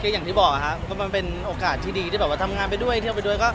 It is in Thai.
อย่างที่บอกครับก็มันเป็นโอกาสที่ดีที่แบบว่าทำงานไปด้วยเที่ยวไปด้วยก็